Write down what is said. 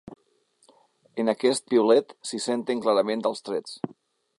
En aquest piulet s’hi senten clarament els trets.